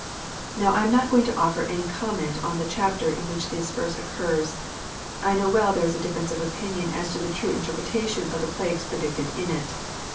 Xow, I am not going to offer any comment on the chapter in which this verse occurs. I know well there is a difference of opinion as to the true interpretation of the plagues predicted in it.